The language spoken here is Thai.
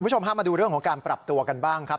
พามาดูเรื่องของการปรับตัวกันบ้างครับ